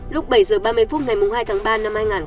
lúc bảy h ba mươi phút ngày hai ba hai nghìn hai mươi bốn